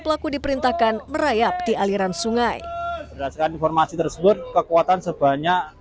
pelaku diperintahkan merayap di aliran sungai berdasarkan informasi tersebut kekuatan sebanyak